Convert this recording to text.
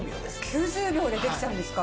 ９０秒でできちゃうんですか？